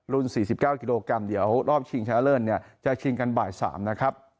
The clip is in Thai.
๔๙กิโลกรัมเดี๋ยวรอบชิงชนะเลิศจะชิงกันบ่าย๓นะครับ